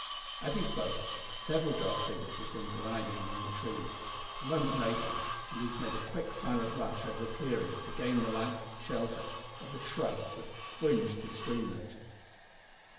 As he spoke several dark figures were seen gliding among the trees. A moment later, and these made a quick silent rush over the clearing to gain the slight shelter of the shrubs that fringed the streamlet.